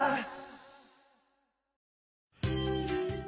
はい。